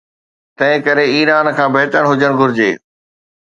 تنهنڪري ايران کان بهتر هجڻ گهرجي.